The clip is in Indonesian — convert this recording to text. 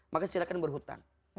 maka silahkan berhutang